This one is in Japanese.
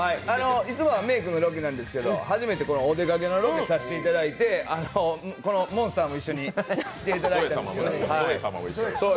いつもはメークのロケなんですが、初めてお出かけのロケに行かせていただいてこのモンスターも一緒に来ていただいて。